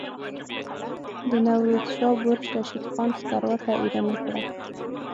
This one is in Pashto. د نوروز شاه برج رشید خان سکروټه ایره نه کړه.